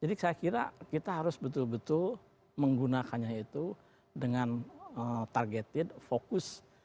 jadi saya kira kita harus betul betul menggunakannya itu dengan targeted fokus